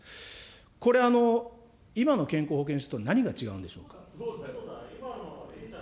これ、今の健康保険証と何が違うんでしょうか。